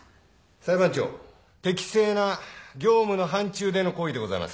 裁判長適正な業務の範ちゅうでの行為でございます。